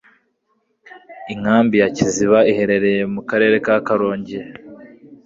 Inkambi ya Kiziba iherereye mu Karere ka Karongi